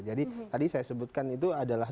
jadi tadi saya sebutkan itu adalah